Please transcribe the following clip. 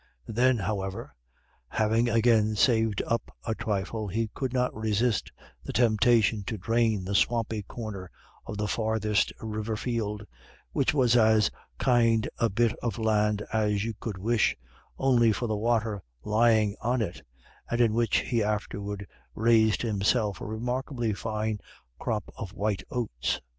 Then, however, having again saved up a trifle, he could not resist the temptation to drain the swampy corner of the farthest river field, which was as kind a bit of land as you could wish, only for the water lying on it, and in which he afterward raised himself a remarkably fine crop of white oats.